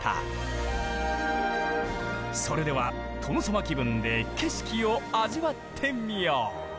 それでは殿様気分で景色を味わってみよう！